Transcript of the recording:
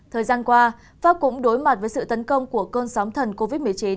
thời gian qua pháp cũng đối mặt với sự tấn công của cơn sóng thần covid một mươi chín